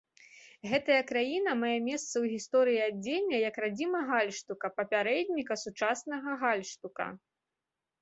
Гэтая краіна мае месца ў гісторыі адзення як радзіма гальштука, папярэдніка сучаснага гальштука.